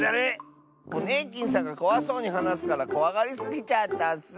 ホネーキンさんがこわそうにはなすからこわがりすぎちゃったッス。